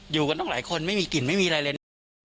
อยู่กันต้องหลายคนไม่มีกลิ่นไม่มีอะไรเลยนะ